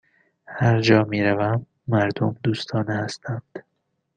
هرجا می روم، مردم دوستانه هستند.